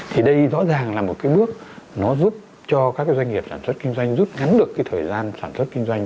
thì đây rõ ràng là một cái bước nó giúp cho các cái doanh nghiệp sản xuất kinh doanh rút ngắn được cái thời gian sản xuất kinh doanh